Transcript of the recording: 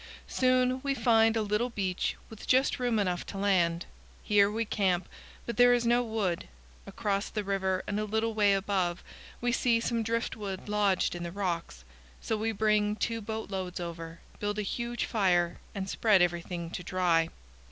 Soon we find a little beach with just room enough to land. Here we camp, but there is no wood. Across the river and a little way above, we see some driftwood lodged in the rocks. So we bring two boat loads over, build a huge fire, and spread everything to dry.